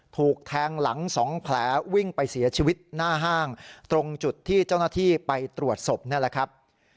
ถูกแทงหลัง๒แผลวิ่งไปเสียชีวิตหน้าห้างตรงจุดที่เจ้าหน้าที่ไปตรวจศพนี่แหละครับ